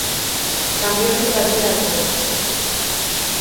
Cambiónos la vida a toos.